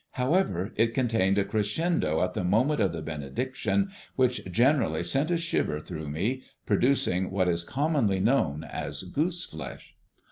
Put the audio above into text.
However, it contained a crescendo at the moment of the benediction which generally sent a shiver through me, producing what is commonly known as goose flesh.